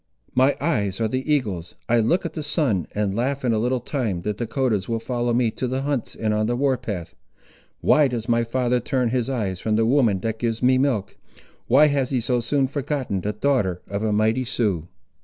My eyes are the eagle's. I look at the sun and laugh. In a little time the Dahcotahs will follow me to the hunts and on the war path. Why does my father turn his eyes from the woman that gives me milk? Why has he so soon forgotten the daughter of a mighty Sioux?"